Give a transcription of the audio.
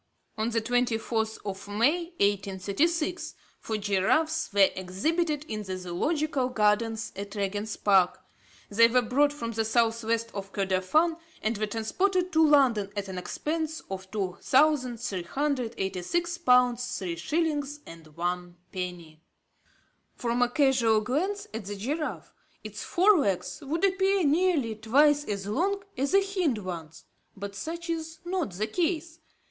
On the 24th of May, 1836, four giraffes were exhibited in the Zoological gardens at Regent's Park. They were brought from the south west of Kordofan, and were transported to London at an expense of 2386 pounds three shillings and one penny. From a casual glance at the giraffe, its fore legs would appear nearly twice as long as the hind ones, but such is not the case.